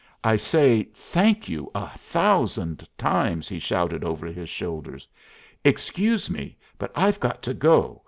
"I say, 'thank you a thousand times,'" he shouted over his shoulder. "Excuse me, but I've got to go.